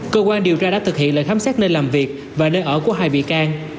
cơ quan điều tra đã thực hiện lệnh khám xét nơi làm việc và nơi ở của hai bị can